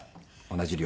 同じ量。